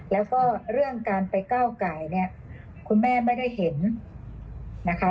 แล้วก็เรื่องการไปก้าวไก่เนี่ยคุณแม่ไม่ได้เห็นนะคะ